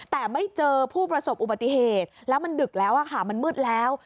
แต่ไม่เจอผู้ประสบอุบัติเหตุแล้วมันดึกแล้วค่ะมันมืดแล้ว